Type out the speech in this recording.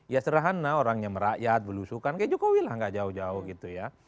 ya sederhana orangnya merakyat belusukan kayak jokowi lah gak jauh jauh gitu ya